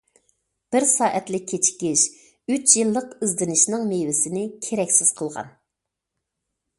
بىر سائەتلىك كېچىكىش ئۈچ يىللىق ئىزدىنىشنىڭ مېۋىسىنى كېرەكسىز قىلغان.